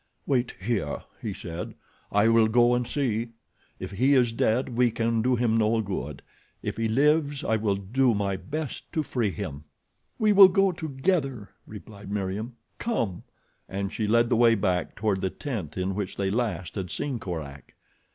"Wait here," he said. "I will go and see. If he is dead we can do him no good. If he lives I will do my best to free him." "We will go together," replied Meriem. "Come!" And she led the way back toward the tent in which they last had seen Korak.